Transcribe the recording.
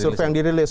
survei yang dirilis